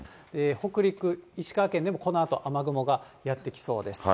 北陸、石川県でもこのあと雨雲がやって来そうです。